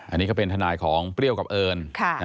อันนี้ก็เป็นทนายของเปรี้ยวกับเอิญ